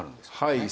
はい。